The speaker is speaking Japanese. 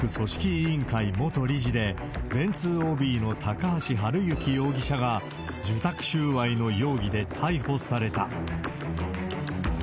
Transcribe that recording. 委員会元理事で、電通ＯＢの高橋治之容疑者が、受託収賄の容疑で逮捕された。